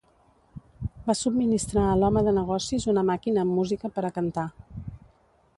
Va subministrar a l'home de negocis una màquina amb música per a cantar.